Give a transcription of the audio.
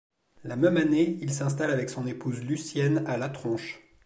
La même année, il s'installe avec son épouse Lucienne à La Tronche.